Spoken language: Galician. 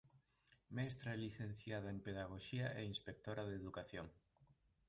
Mestra e licenciada en pedagoxía é inspectora de educación.